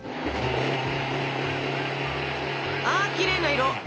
あきれいな色！